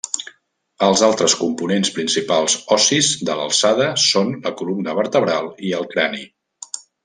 Els altres components principals ossis de l'alçada són la columna vertebral i el crani.